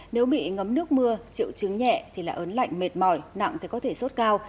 nếu bị ngấm nước mưa triệu chứng nhẹ thì là ớn lạnh mệt mỏi nặng thì có thể sốt cao